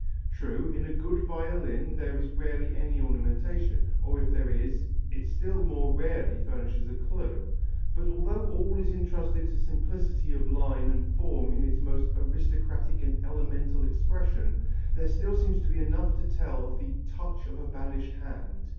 True, in a good violin there is rarely any ornamentation, or if there is, it still more rarely furnishes a clue; but although all is entrusted to simplicity of line and form in its most aristocratic and elemental expression, there still seems to be enough to tell of the "touch of a vanished hand."